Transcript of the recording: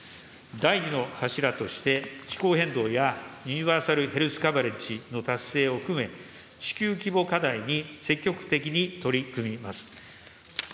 第２の柱として、気候変動やユニバーサル・ヘルス・カバレッジの達成を含め、地球規模課題に積極的に取り組みます。